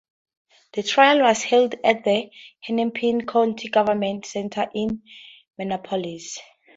The trial was held at the Hennepin County Government Center in Minneapolis.